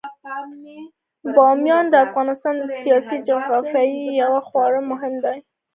بامیان د افغانستان د سیاسي جغرافیې یوه خورا مهمه برخه ده.